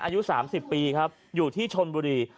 อายุ๓๐ปีครับอยู่ที่ชนบุรี